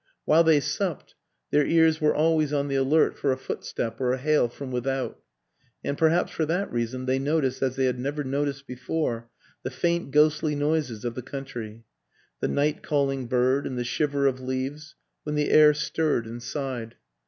While they supped, their ears were always on the alert for a footstep or a hail from without; and perhaps for that reason they noticed as they had never noticed before the faint ghostly noises of the country the night calling bird and the shiver of leaves when the air stirred and sighed.